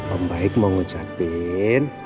om baik mau ngucapin